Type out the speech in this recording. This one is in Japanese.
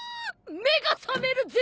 目が覚めるぜ！